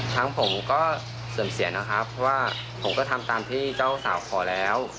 ทั้งผมก็เสื่อมเสียนะครับเพราะว่าผมก็ทำตามที่เจ้าสาวขอแล้ว